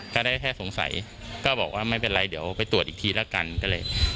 ก็ได้แค่สงสัยก็บอกว่าไม่เป็นไรเดี๋ยวไปตรวจอีกทีแล้วกันก็เลย